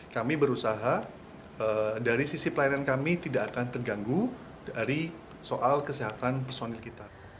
kami berusaha dari sisi pelayanan kami tidak akan terganggu dari soal kesehatan personil kita